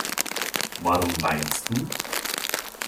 Warum weinst du?